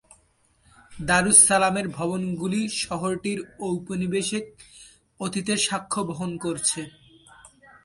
দারুস সালামের ভবনগুলি শহরটির ঔপনিবেশিক অতীতের সাক্ষ্য বহন করছে।